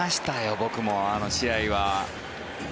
僕もあの試合は。